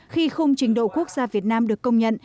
khi khung trình độ quốc gia việt nam được công nhận